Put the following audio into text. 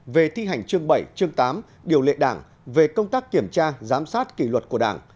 về thi hành chương bảy chương tám điều lệ đảng về công tác kiểm tra giám sát kỷ luật của đảng